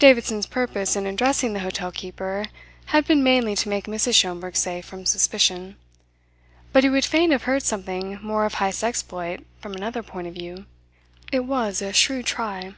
Davidson's purpose in addressing the hotel keeper had been mainly to make Mrs. Schomberg safe from suspicion; but he would fain have heard something more of Heyst's exploit from another point of view. It was a shrewd try.